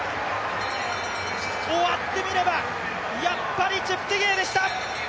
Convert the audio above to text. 終わってみれば、やっぱりチェプテゲイでした。